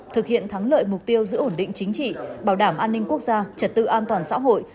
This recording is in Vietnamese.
thực hiện thắng lợi mục tiêu giữ ổn định chính trị bảo đảm an ninh quốc gia trật tự an toàn xã hội